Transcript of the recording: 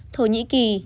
thổ nhĩ kỳ